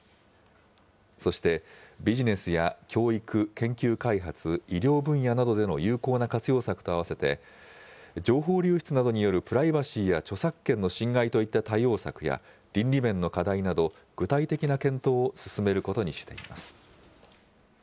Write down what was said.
そして、ビジネスや教育・研究開発、医療分野などでの有効な活用策とあわせて、情報流出などによるプライバシーや著作権の侵害といった対応策や、倫理面の課題など具体的な検討を進めることにしています。